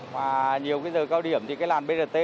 và nhiều cái giờ cao điểm thì cái làn brt